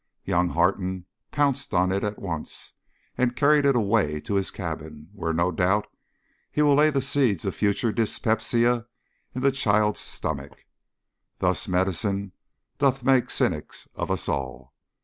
Young Harton pounced on it at once, and carried it away to his cabin, where no doubt he will lay the seeds of future dyspepsia in the child's stomach. Thus medicine doth make cynics of us all!